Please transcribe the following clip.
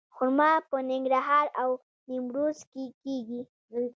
خرما په ننګرهار او نیمروز کې کیږي.